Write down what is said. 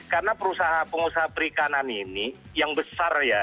karena pengusaha perikanan ini yang besar ya